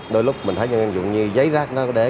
đôi lúc mình thấy những dụng như giấy rác đó để có